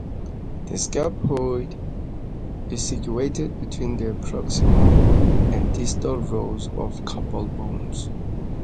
The scaphoid is situated between the proximal and distal rows of carpal bones.